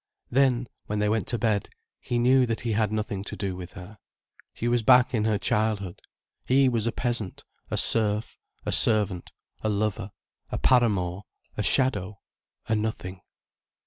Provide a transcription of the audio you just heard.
Then, when they went to bed, he knew that he had nothing to do with her. She was back in her childhood, he was a peasant, a serf, a servant, a lover, a paramour, a shadow, a nothing.